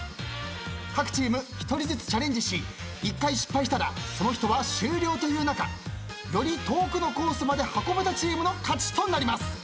各チーム１人ずつチャレンジし１回失敗したらその人は終了という中より遠くのコースまで運べたチームの勝ちとなります。